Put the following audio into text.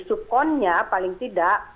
supconnya paling tidak